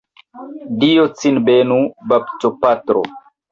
Dio cin benu, baptopatro!